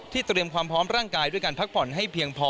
เตรียมความพร้อมร่างกายด้วยการพักผ่อนให้เพียงพอ